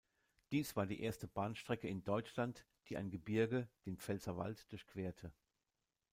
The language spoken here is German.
Dies war die erste Bahnstrecke in Deutschland, die ein Gebirge, den Pfälzerwald, durchquerte.